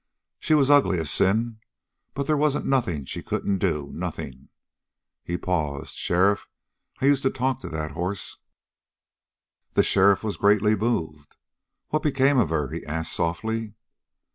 She was ugly as sin, but they wasn't nothing she couldn't do nothing!" He paused. "Sheriff, I used to talk to that hoss!" The sheriff was greatly moved. "What became of her?" he asked softly.